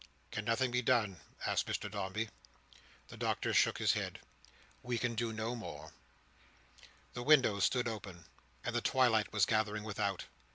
"Can nothing be done?" asked Mr Dombey. The Doctor shook his head. "We can do no more." The windows stood open, and the twilight was gathering without.